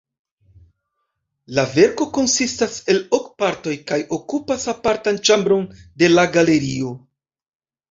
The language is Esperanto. La verko konsistas el ok partoj kaj okupas apartan ĉambron de la galerio.